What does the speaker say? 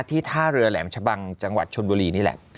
ท่าเรือแหลมชะบังจังหวัดชนบุรีนี่แหละ